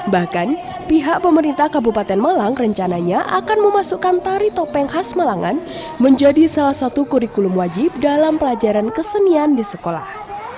bahkan pihak pemerintah kabupaten malang rencananya akan memasukkan tari topeng khas malangan menjadi salah satu kurikulum wajib dalam pelajaran kesenian di sekolah